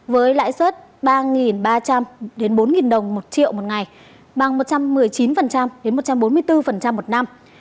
với lãi suất ba ba trăm linh bốn đồng một triệu một ngày bằng một trăm một mươi chín đến một trăm bốn mươi bốn một năm